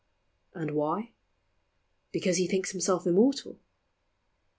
And why ? Because he thinks himself immortal.